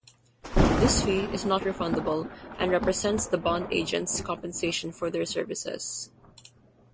This fee is not refundable and represents the bond agents' compensation for their services.